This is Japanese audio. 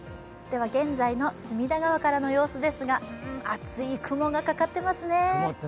現在の隅田川からの様子ですがうん、厚い雲がかかってますね。